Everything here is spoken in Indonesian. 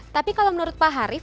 tapi kalau menurut pak harif